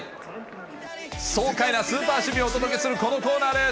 爽快なスーパー守備をお届けするこのコーナーです。